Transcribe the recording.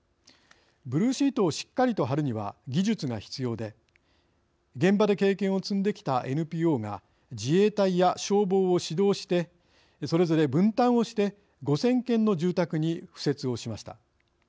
ブルーシートをしっかりと張るには技術が必要で現場で経験を積んできたＮＰＯが自衛隊や消防を指導してそれぞれ分担をして５０００件の住宅に敷設をしました。